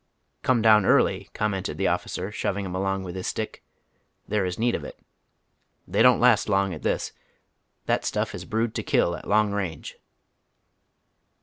" Come down early," commented the officer, shoving him along with his stick. " There is need of it. They don't last long at this. That stuff is brewed to kill at long range."